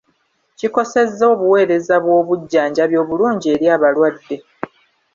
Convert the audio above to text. Kikosezza obuweereza bw'obujjanjabi obulungi eri abalwadde.